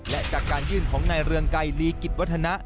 และจากการยื่นของนายเรืองไกรลีกิจวัฒนะ